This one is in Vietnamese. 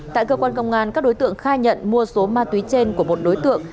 tại cơ quan công an các đối tượng khai nhận mua số ma túy trên của một đối tượng